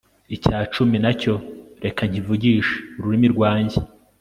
icya cumi na cyo reka nkivugishe ururimi rwanjye